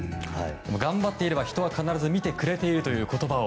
頑張っていれば人は必ず見てくれているという言葉を。